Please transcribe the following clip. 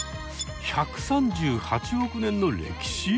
１３８億年の歴史！？